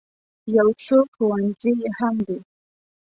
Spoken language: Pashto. یو څو ښوونځي هم دي.